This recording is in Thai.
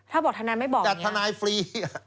ถ้าบอกทะนายไม่บอกอย่างนี้จัดทะนายฟรี